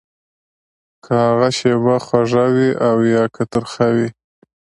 که هغه شېبه خوږه وي او يا که ترخه وي.